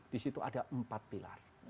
di situ ada empat pilar